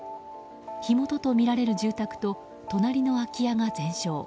火元とみられる住宅と隣の空き家が全焼。